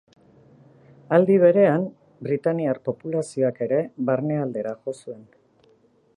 Aldi berean, britainiar populazioak ere barnealdera jo zuen.